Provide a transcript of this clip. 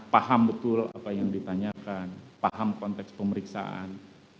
paham betul apa yang ditanyakan paham konteks pemeriksaan